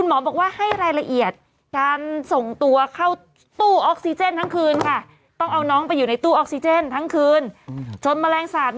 หมอผีก็ต้องกลัวหมอผีต้องยั่มกันเอง